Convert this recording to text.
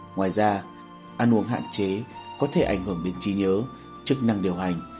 ngoài ra ăn uống hạn chế có thể ảnh hưởng đến trí nhớ chức năng điều hành